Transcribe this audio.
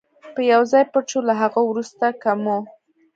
به یو ځای پټ شو، له هغه وروسته که مو.